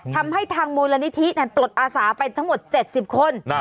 ทำให้ทางมูลนิธิตรวจอาสาไปทั้งหมด๗๐คน